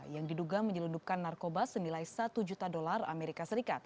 yang diduga menyelundupkan narkoba senilai satu juta dolar amerika serikat